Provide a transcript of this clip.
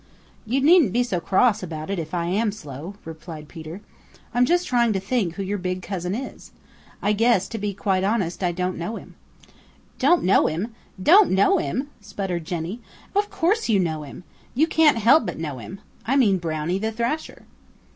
"You needn't be so cross about it if I am slow," replied Peter. "I'm just trying to think who your big cousin is. I guess, to be quite honest, I don't know him." "Don't know him! Don't know him!" Sputtered Jenny. "Of course you know him. You can't help but know him. I mean Brownie the Thrasher."